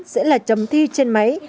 sẽ là chấm thi trên máy